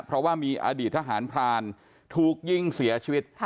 เพราะว่ามีอดีตทหารพรานถูกยิงเสียชีวิต